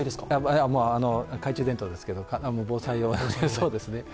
懐中電灯ですけど、防災用ですね。